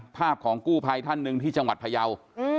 ภาพของกู้ภัยท่านหนึ่งที่จังหวัดพยาว